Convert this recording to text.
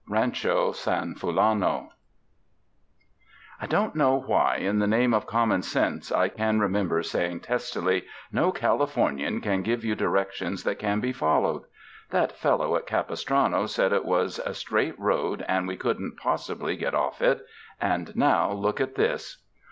Rancho San Fulano "I don't see why in the name of common sense," I can remember saying testily, "no Californian can give you directions that can be followed. That fel low at Capistrano said it was a straight road and we couldn't possibly get off it, and now look at this!"